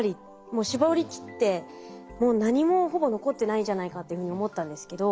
もう絞りきってもう何もほぼ残ってないんじゃないかっていうふうに思ったんですけど。